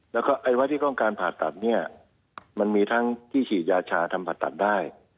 แล้วก็ไอ้วัดที่ต้องการผ่าตัดเนี่ยมันมีทั้งที่ฉีดยาชาทำผ่าตัดได้